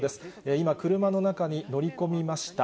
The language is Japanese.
今、車の中に乗り込みました。